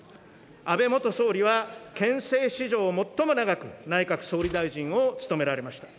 安倍元総理は、憲政史上最も長く内閣総理大臣を務められました。